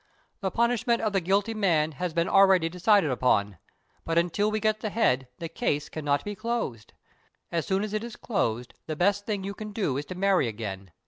] The punishment of the guilty man has been already decided upon, but until we get the head, the case cannot be closed. As soon as it is closed, the best thing you can do is to marry again.